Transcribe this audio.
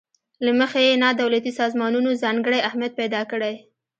له مخې یې نا دولتي سازمانونو ځانګړی اهمیت پیداکړی.